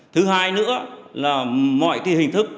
thứ hai nữa là mọi cái hình thức